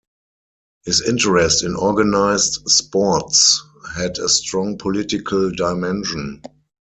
His interest in organised sports had a strong political dimension.